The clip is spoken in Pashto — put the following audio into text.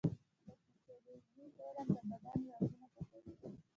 د پیتالوژي علم د بدن رازونه پټوي.